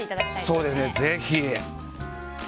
そうですね、ぜひ。